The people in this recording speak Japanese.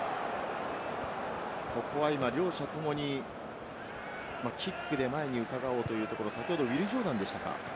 ここは今両者ともにキックで前に伺おうというところ、先ほどジョーダンでしたか？